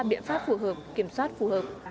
biện pháp phù hợp kiểm soát phù hợp